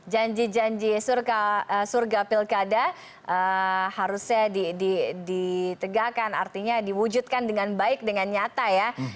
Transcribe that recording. janji janji surga pilkada harusnya ditegakkan artinya diwujudkan dengan baik dengan nyata ya